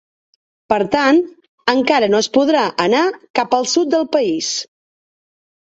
Per tant, encara no es podrà anar cap al sud del país.